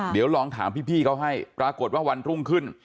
เดี๋ยวลองถามพี่เขาให้ปรากฏว่าวันรุ่งขึ้น